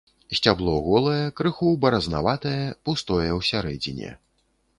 Сцябло голае, крыху баразнаватае, пустое ў сярэдзіне.